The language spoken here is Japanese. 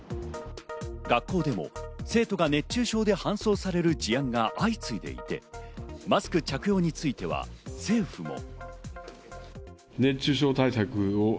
学校でも生徒が熱中症で搬送される事案が相次いでいて、マスク着用については政府も。